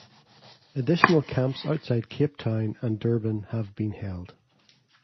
Additional camps outside Cape Town and Durban have been held.